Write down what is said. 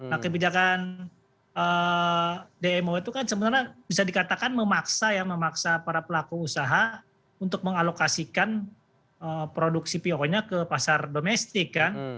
nah kebijakan dmo itu kan sebenarnya bisa dikatakan memaksa ya memaksa para pelaku usaha untuk mengalokasikan produk cpo nya ke pasar domestik kan